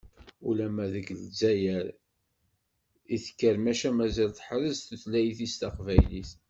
Ulamma deg Lezzayer i d-tekkar maca mazal teḥrez tutlayt-is taqbaylit.